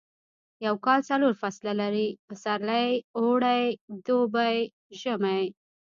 یو کال څلور فصله لري پسرلی اوړی دوبی ژمی